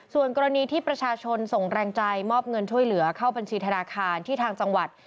ส่วนกรณีที่ประชาชนส่งแรงใจมอบเงินช่วยเหลือเข้าบัญชีธนาคารที่ทางจังหวัด